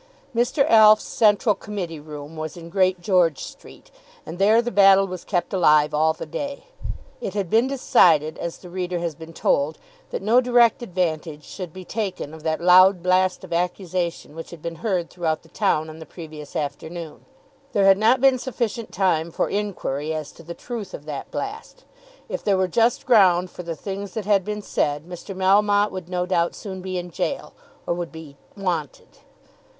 Mr. Alf's central committee room was in Great George Street, and there the battle was kept alive all the day. It had been decided, as the reader has been told, that no direct advantage should be taken of that loud blast of accusation which had been heard throughout the town on the previous afternoon. There had not been sufficient time for inquiry as to the truth of that blast. If there were just ground for the things that had been said, Mr. Melmotte would no doubt soon be in gaol, or would be wanted.